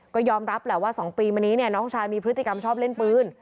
ก็ยอมรับแหละว่า๒ปีมานี้เนี่ยน้องชายมีพฤติกรรมชอบเล่นปืน